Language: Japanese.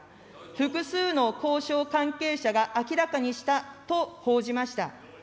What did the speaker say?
複数の交渉関係者が明らかにしたと報じました。